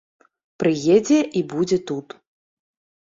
Прыедзе і будзе тут.